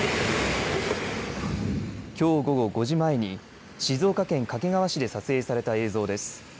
きょう午後５時前に静岡県掛川市で撮影された映像です。